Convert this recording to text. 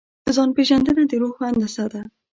ځان پېژندنه د روح هندسه ده.